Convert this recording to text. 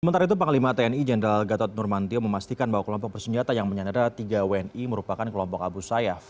sementara itu panglima tni jenderal gatot nurmantio memastikan bahwa kelompok bersenjata yang menyandara tiga wni merupakan kelompok abu sayyaf